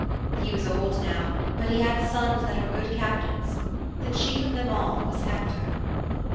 He was old now, but he had sons that were good Captains. The chief of them all was Hector.